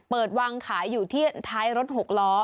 เปิดวางขายอยู่ที่ท้ายรถหกล้อ